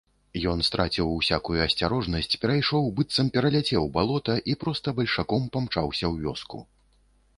Ён страціў усякую асцярожнасць, перайшоў, быццам пераляцеў, балота і проста бальшаком памчаўся ў вёску.